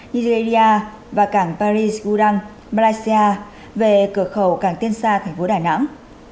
nigeria và cảng paris gudang malaysia về cửa khẩu cảng tiên sa tp đài nẵng